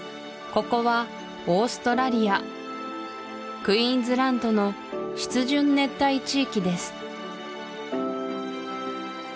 ここはオーストラリアクイーンズランドの湿潤熱帯地域です